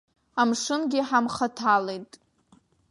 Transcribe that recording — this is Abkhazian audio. Амшынгьы ҳамхаҭалеит.